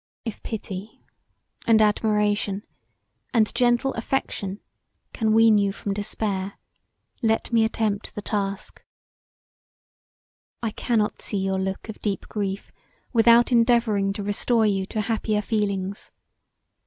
If pity, and admiration, and gentle affection can wean you from despair let me attempt the task. I cannot see your look of deep grief without endeavouring to restore you to happier feelings.